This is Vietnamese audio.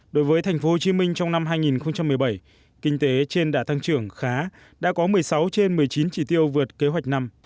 đối với tp hcm trong năm hai nghìn một mươi bảy kinh tế trên đã tăng trưởng khá đã có một mươi sáu trên một mươi chín chỉ tiêu vượt kế hoạch năm